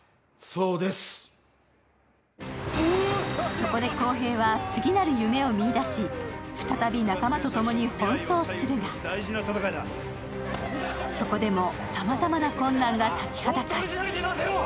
そこで航平は次なる夢を見いだし、再び仲間とともに奔走するが、そこでも、さまざまな困難が立ちはだかる。